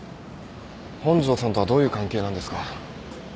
本庄さんとはどういう関係なんですか？